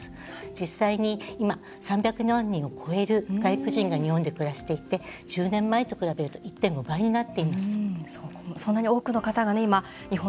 実際に３００万人を超える外国人が日本で暮らしていて１０年前と比べると１．５倍になっています。